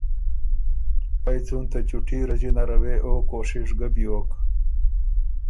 پئ څُون ته چُوټي رݫی نره وې او کوشِش ګه بیوک